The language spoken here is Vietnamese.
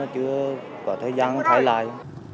chưa có thời gian thay lại